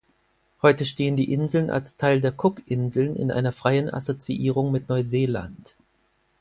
Heute stehen die Inseln als Teil der Cookinseln in einer freien Assoziierung mit Neuseeland.